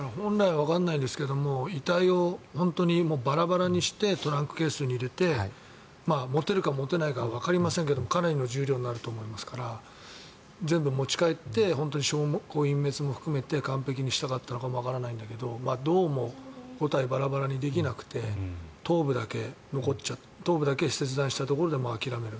わからないんですけど遺体をバラバラにしてトランクケースに入れて持てるか持てないかはわかりませんがかなりの重量になると思いますから全部持ち帰って証拠隠滅も含めて完璧にしたかったのかもわからないんだけどどうも五体バラバラにできなくて頭部だけ切断したところで諦める。